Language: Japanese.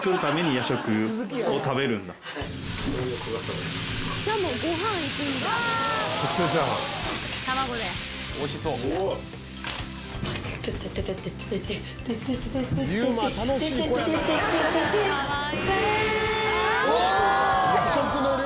夜食の量！